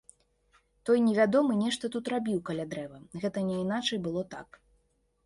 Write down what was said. Той невядомы нешта тут рабіў каля дрэва, гэта няйначай было так.